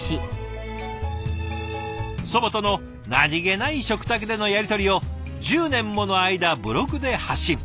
祖母との何気ない食卓でのやり取りを１０年もの間ブログで発信。